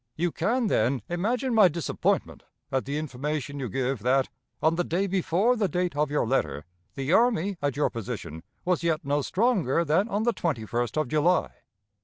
You can, then, imagine my disappointment at the information you give, that, on the day before the date of your letter, the army at your position was yet no stronger than on the 21st of July.